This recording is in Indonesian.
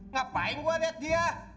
ngapain gua lihat dia